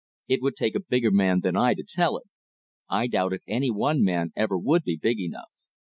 It would take a bigger man than I to tell it. I doubt if any one man ever would be big enough.